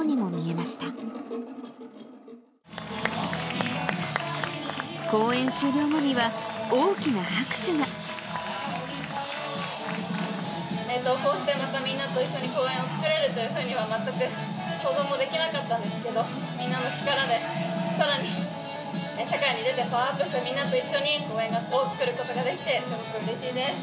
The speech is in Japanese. またこうしてみんなと一緒に公演を作れるというふうには、全く想像もできなかったんですけど、みんなの力でさらに社会に出てパワーアップしたみんなと一緒に公演を作ることができて、うれしいです。